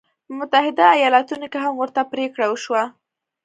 په متحده ایالتونو کې هم ورته پرېکړه وشوه.